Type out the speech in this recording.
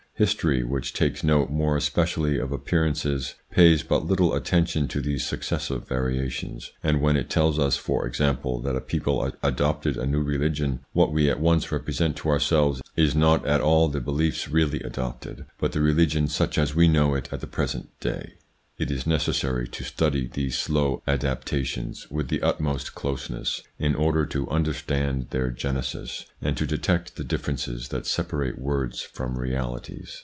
His tory, which takes note more especially of appearances, pays but little attention to these successive variations, and when it tells us, for example, that a people adopted a new religion, what we at once represent to ourselves is not at all the beliefs really adopted, but the religion such as we know it at the present day. 96 THE PSYCHOLOGY OF PEOPLES : It is necessary to study these slow adaptations with the utmost closeness, in order to understand their genesis, and to detect the differences that separate words from realities.